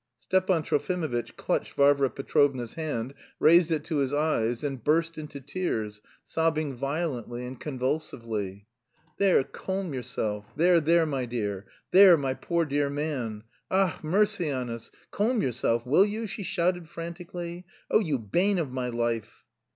Stepan Trofimovitch clutched Varvara Petrovna's hand, raised it to his eyes, and burst into tears, sobbing violently and convulsively. "There, calm yourself, there, there, my dear, there, poor dear man! Ach, mercy on us! Calm yourself, will you?" she shouted frantically. "Oh, you bane of my life!"